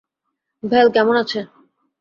ভ্যাল কেমন আছে?